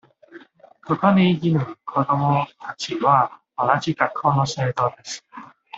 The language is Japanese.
ここにいる子どもたちは同じ学校の生徒です。